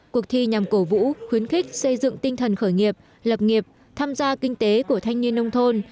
cuộc thi nhằm cổ vũ khuyến khích xây dựng tinh thần khởi nghiệp lập nghiệp tham gia kinh tế của thanh niên nông thôn